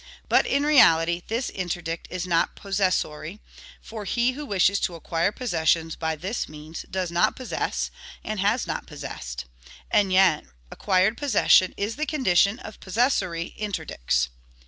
But, in reality, this interdict is not possessory: for he who wishes to acquire possession by this means does not possess, and has not possessed; and yet acquired possession is the condition of possessory interdicts."